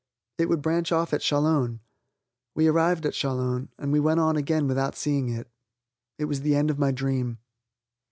It would branch off at Chalon. We arrived at Chalon, and we went on again without seeing it. It was the end of my dream.